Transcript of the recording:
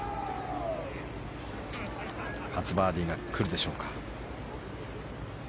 初バーディーが来るでしょうか。